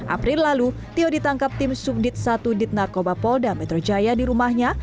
april lalu tio ditangkap tim subdit satu dit narkoba polda metro jaya di rumahnya